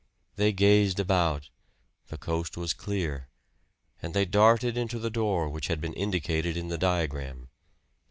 They gazed about. The coast was clear; and they darted into the door which had been indicated in the diagram.